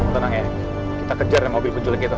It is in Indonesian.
tenang ya kita kejar mobil penculik itu